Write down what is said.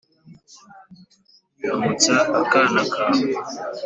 ramutsa akana kawe